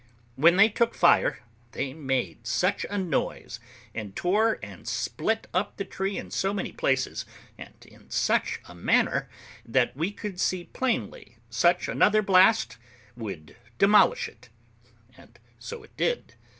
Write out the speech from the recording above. When they took fire, they made such a noise, and tore and split up the tree in so many places, and in such a manner, that we could see plainly such another blast would demolish it; and so it did.